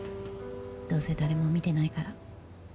どうせ誰も見てないから。